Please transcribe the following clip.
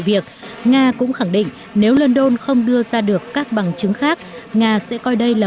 việc nga cũng khẳng định nếu london không đưa ra được các bằng chứng khác nga sẽ coi đây là